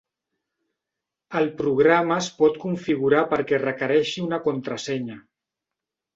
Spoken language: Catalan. El programa es pot configurar perquè requereixi una contrasenya.